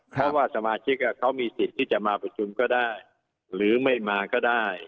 เพราะว่าสมาชิกเขามีสิทธิ์ที่จะมาประชุมก็ได้หรือไม่มาก็ได้